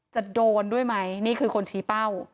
จะโดนด้วยไหมนี่คือคนชี้เป้า